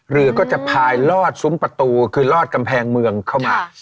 เรือก็จะพายลอดซุ้มประตูคือลอดกำแพงเมืองเข้ามา